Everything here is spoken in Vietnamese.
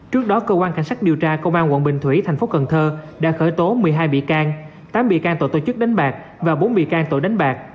trước đó cơ quan cảnh sát điều tra công an quận bình thủy thành phố cần thơ đã khởi tố một mươi hai bị can tám bị can tội tổ chức đánh bạc và bốn bị can tội đánh bạc